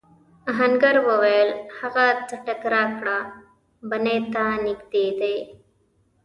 آهنګر وویل هغه څټک راکړه بنۍ ته نږدې دی.